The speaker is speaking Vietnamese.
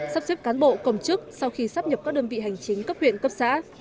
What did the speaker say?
sắp xếp cán bộ công chức sau khi sắp nhập các đơn vị hành chính cấp huyện cấp xã